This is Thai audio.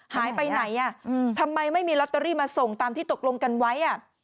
หายไปไหนอ่ะทำไมไม่มีลอตเตอรี่มาส่งตามที่ตกลงกันไว้